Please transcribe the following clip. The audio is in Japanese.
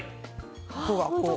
ここがこう。